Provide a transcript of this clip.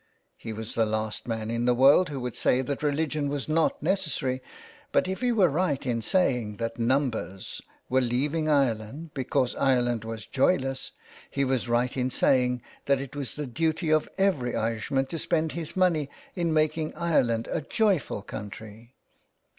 He was the last man in the world who would say that religion was not necessary, but if he were right in saying that numbers were 375 THE WILD GOOSE. leaving Ireland because Ireland was joyless he was right in saying that it was the duty of every Irishman to spend his money in making Ireland a joyful country.